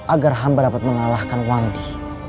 agar hamba dapat mengalahkan wandi